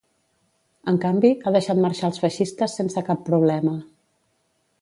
En canvi, ha deixat marxar els feixistes sense cap problema.